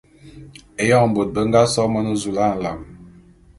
Éyoň bôt be nga so Monezula.